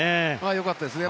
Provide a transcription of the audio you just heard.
よかったですね。